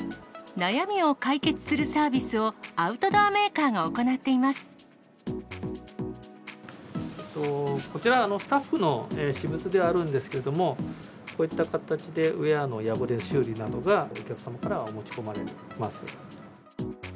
悩みを解決するサービスを、アウトドアメーカーが行っていまこちら、スタッフの私物ではあるんですけれども、こういった形でウエアの破れ、修理などが、お客様から持ち込まれます。